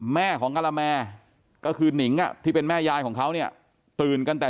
แม่ของกะละแมก็คือหนิงอ่ะที่เป็นแม่ยายของเขาเนี่ยตื่นกันแต่